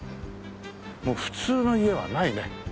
もう普通の家はないね。